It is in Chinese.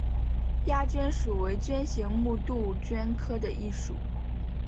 鸦鹃属为鹃形目杜鹃科的一属。